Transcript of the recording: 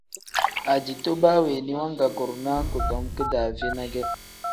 Ajito baa weeni wangaguurinaa kudom kidaave ne ge.